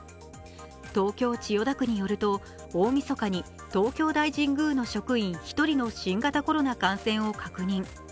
東京都千代田区によると、大みそかに東京大神宮の職員１人の新型コロナ感染を確認。